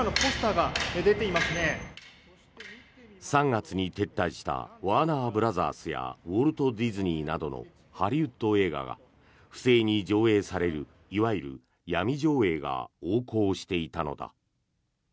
３月に撤退したワーナー・ブラザースやウォルト・ディズニーなどのハリウッド映画が不正に上映されるいわゆるヤミ上映が横行していたのだ。